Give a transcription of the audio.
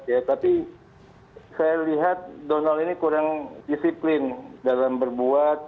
ya tapi saya lihat donald ini kurang disiplin dalam berbuat